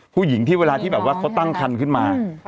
ผู้หญิงที่เวลาที่แบบว่าเขาตั้งคันขึ้นมา